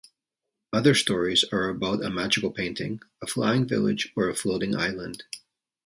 Other stories are about a magical painting, a flying village or a floating island.